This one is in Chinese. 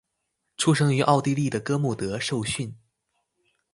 出生于奥地利的哥穆德受训。